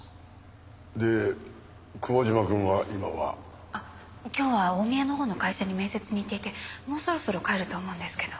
で久保島君は今は？あっ今日は大宮のほうの会社に面接に行っていてもうそろそろ帰ると思うんですけど。